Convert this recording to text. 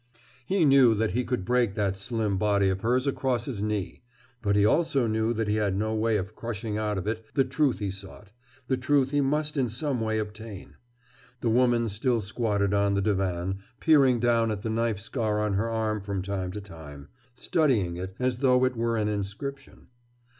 He knew that he could break that slim body of hers across his knee. But he also knew that he had no way of crushing out of it the truth he sought, the truth he must in some way obtain. The woman still squatted on the divan, peering down at the knife scar on her arm from time to time, studying it, as though it were an inscription.